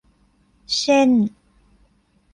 เช่น